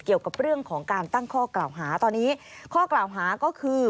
เกี่ยวกับเรื่องของการตั้งข้อกล่าวหาตอนนี้ข้อกล่าวหาก็คือ